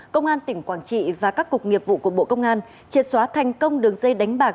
công an tỉnh quảng trị và các cục nghiệp vụ của bộ công an triệt xóa thành công đường dây đánh bạc